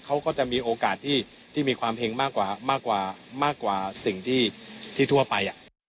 เขาก็จะมีโอกาสที่มีความเห็งมากกว่ามากกว่าสิ่งที่ทั่วไป